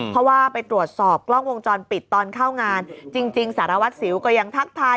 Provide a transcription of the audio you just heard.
เพราะว่าไปตรวจสอบกล้องวงจรปิดตอนเข้างานจริงสารวัตรสิวก็ยังทักทาย